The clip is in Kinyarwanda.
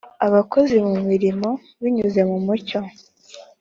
abakozi mu mirimo binyuze mu mucyo